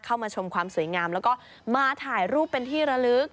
เข้ามาชมความสวยงามแล้วก็มาถ่ายรูปเป็นที่ระลึก